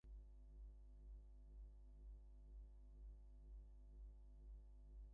They also work with those persons who are seeking something more from their lives.